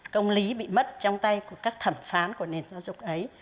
công lý bị mất trong tay của các thẩm phán của nền giáo dục ấy